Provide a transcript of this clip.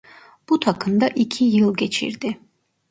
Bu takım'da iki yıl geçirdi.